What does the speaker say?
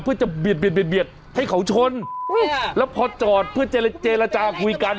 เพื่อจะเบียดให้เขาชนแล้วพอจอดเพื่อเจรจาคุยกัน